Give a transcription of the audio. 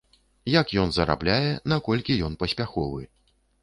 Як ён зарабляе, наколькі ён паспяховы?